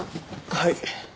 はい。